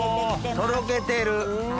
とろけてる。